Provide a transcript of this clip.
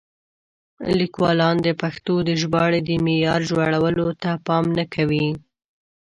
لیکوالان د پښتو د ژباړې د معیار لوړولو ته پام نه کوي.